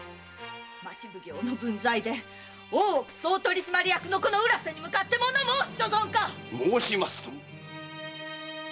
町奉行の分際で大奥総取締役の浦瀬に向かってもの申す所存か⁉申しますとも。